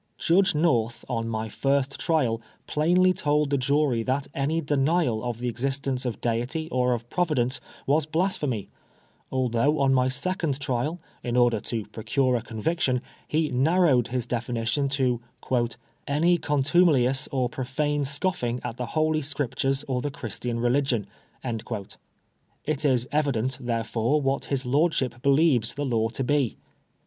Judge North, on my first trial, plainly told the jury that any denial of the existence of Deity or of Provi dence was blasphemy ; although on my second trial, in order to procure a conviction, he narrowed his defi nition to " any contumelious or profane scoffing at the Holy Scriptures or the Christian religion." It is •evident, therefore, what his lordship believes the law to be.